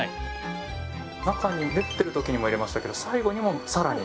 中に練ってる時にも入れましたけど最後にもさらに。